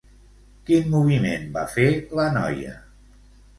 Quin moviment va fer la noia?